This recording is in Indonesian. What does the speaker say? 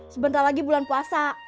sebentar lagi bulan puasa